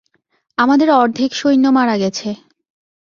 আমাদের অর্ধেক সৈন্য মারা গেছে!